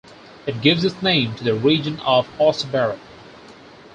It gives its name to the region of Ostabarret.